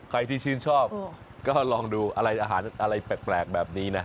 ใครที่ชื่นชอบก็ลองดูอะไรอาหารอะไรแปลกแบบนี้นะ